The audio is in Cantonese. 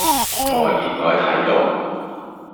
我熱愛睇肉